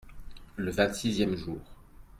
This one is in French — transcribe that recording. Le vingt-sixième jour.